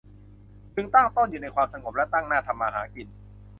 พึงตั้งตนอยู่ในความสงบ และตั้งหน้าทำมาหากิน